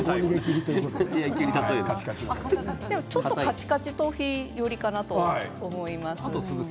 ちょっとカチカチ頭皮寄りかなと思います。